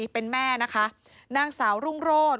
เป็นแม่นะคะนางสาวรุ่งโรธ